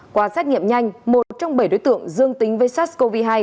qua xét nghiệm nhanh một trong bảy đối tượng dương tính với sars cov hai